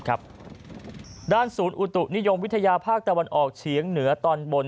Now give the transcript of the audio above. ด้านศูนย์อุตุนิยมวิทยาภาคตะวันออกเฉียงเหนือตอนบน